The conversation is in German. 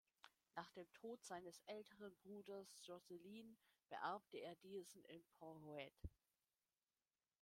Nach dem Tod seines älteren Bruders Josselin beerbte er diesen in Porhoët.